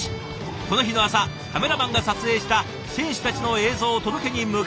この日の朝カメラマンが撮影した選手たちの映像を届けに向かったのは。